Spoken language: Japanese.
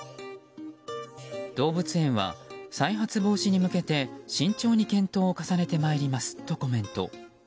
動物園は、再発防止に向けて慎重に検討を重ねてまいりますとコメント。